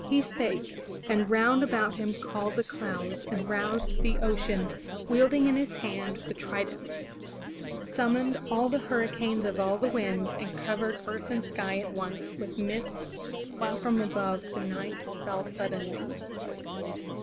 He spake, and round about him called the clouds. And roused the ocean, — wielding in his hand The trident, — summoned all the hurricanes Of all the winds, and covered earth and sky At once with mists, while from above, the night Fell suddenly.